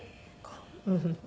うん。